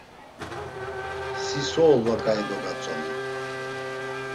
Si so olva ǩai dogatzonen?